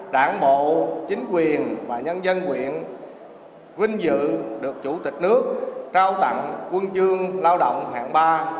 đảng bộ chính quyền và nhân dân quyện vinh dự được chủ tịch nước trao tặng quân chương lao động hạng ba